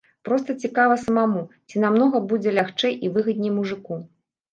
Проста цікава самому, ці намнога будзе лягчэй і выгадней мужыку.